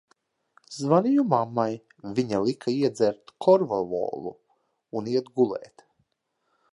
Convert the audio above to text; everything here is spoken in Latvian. Zvanīju mammai, viņa lika iedzert korvalolu un iet gulēt.